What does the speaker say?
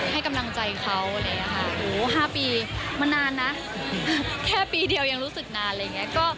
ให้กำลังใจเขาอะไรอย่างนี้ค่ะ๕ปีมานานนะแค่ปีเดียวยังรู้สึกนานอะไรอย่างนี้